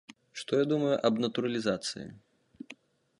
Што я думаю аб натуралізацыі?